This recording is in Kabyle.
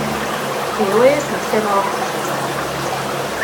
Ihwa-yasent kan ruḥent-d.